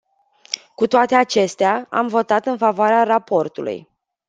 Cu toate acestea, am votat în favoarea raportului.